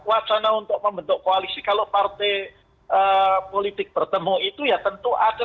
wacana untuk membentuk koalisi kalau partai politik bertemu itu ya tentu ada